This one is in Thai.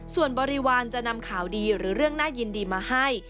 ส่วนบริวารจะนำข่าวดีหรือเรื่องน่ายินดีมาให้